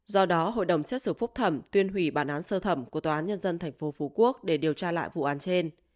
do đó hội đồng xét xử phúc thẩm tuyên hủy bản án sơ thẩm của tòa án nhân dân tp phú quốc để điều tra lại vụ án trên